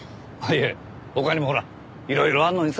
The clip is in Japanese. いや他にもほらいろいろあるのにさ